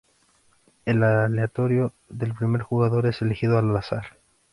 En aleatorio el primer jugador es elegido al azar.